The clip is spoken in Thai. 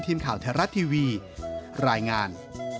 ทีมข่าวไทยรัฐทีวีรายงาน